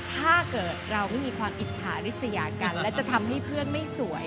ถ้าเกิดเราไม่มีความอิจฉาริสยากันและจะทำให้เพื่อนไม่สวย